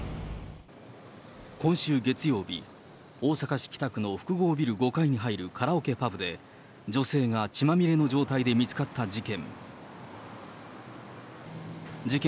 今週月曜日、大阪市北区の複合ビル５階に入るカラオケパブで、女性が血まみれの状態で見つかった事件。